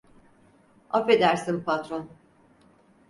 Affedersin patron.